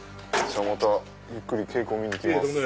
またゆっくり稽古見にきます。